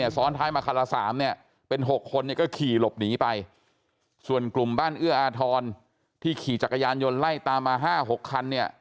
ซ้อนท้ายมาคันละ๓เนี่ยเป็น๖คนเนี่ยก็ขี่หลบหนีไปส่วนกลุ่มบ้านเอื้ออาทรที่ขี่จักรยานยนต์ไล่ตามมา๕๖คันเนี่ย